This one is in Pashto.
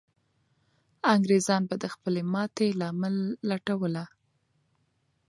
انګریزان به د خپلې ماتې لامل لټوله.